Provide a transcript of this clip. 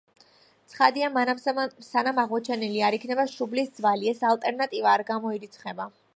ცხადია, მანამ სანამ აღმოჩენილი არ იქნება შუბლის ძვალი, ეს ალტერნატივა არ გამოირიცხება.